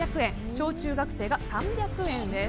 小中学生が３００円です。